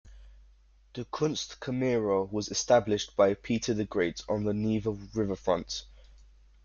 The Kunstkamera was established by Peter the Great on the Neva Riverfront.